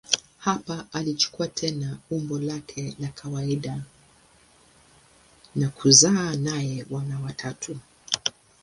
Hapa alichukua tena umbo lake la kawaida na kuzaa naye wana watatu.